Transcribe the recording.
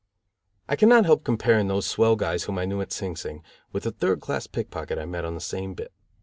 I cannot help comparing those swell guys whom I knew at Sing Sing with a third class pickpocket I met on the same bit.